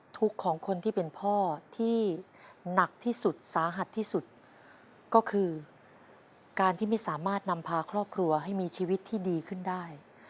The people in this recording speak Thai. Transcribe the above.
ทุกข์ของคนที่เป็นพ่อที่หนักที่สุดสาหัสที่สุดก็คือการที่ไม่สามารถนำพาครอบครัวให้มีชีวิตที่ดีขึ้นได้